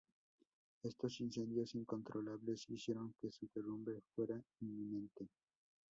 Estos incendios incontrolables hicieron que su derrumbe fuera inminente.